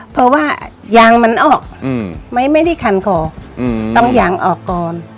เพราะว่ายางมันออกไม่ได้คันคอต้องยางออกก่อน